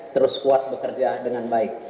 terus kuat bekerja dengan baik